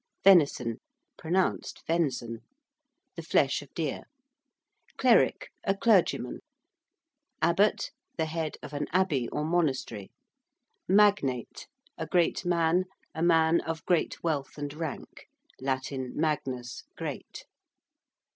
~venison~ (pronounced ven´ zon): the flesh of deer. ~cleric~: a clergyman. ~abbot~: the head of an abbey or monastery. ~magnate~: a great man, a man of great wealth and rank. (Latin magnus, great.)